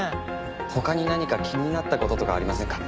他に何か気になった事とかありませんか？